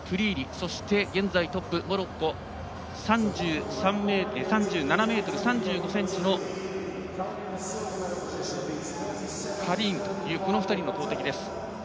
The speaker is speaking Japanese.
そして現在トップ、モロッコ３７ｍ３５ｃｍのカリームというこの２人の投てきです。